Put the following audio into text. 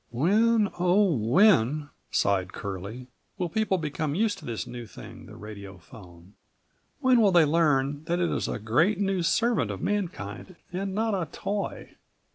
"When, oh, when," sighed Curlie, "will people become used to this new thing, the radiophone? When will they learn that it is a great, new servant of mankind and not a toy?